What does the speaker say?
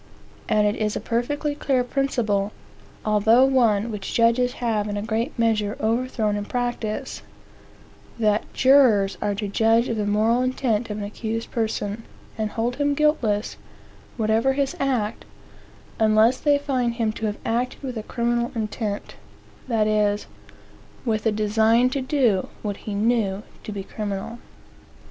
And it is a perfectly clear principle, although one which judges have in a great measure overthrown in practice, that jurors are to judge of the moral intent of an accused person, and hold him guiltless, whatever his act, unless they find him to have acted with a criminal intent; that is, with a design to do what he knew to be criminal.